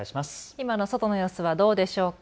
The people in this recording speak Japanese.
今の外の様子はどうでしょうか。